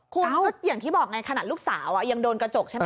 คุณก็อย่างที่บอกไงขนาดลูกสาวยังโดนกระจกใช่ไหม